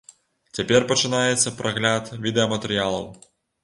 Цяпер пачынаецца прагляд відэаматэрыялаў.